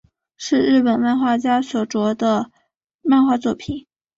是日本漫画家所着的漫画作品。